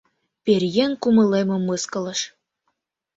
Пӧръеҥ кумылемым мыскылыш.